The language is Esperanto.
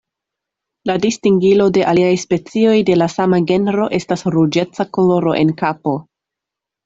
La distingilo de aliaj specioj de la sama genro estas ruĝeca koloro en kapo.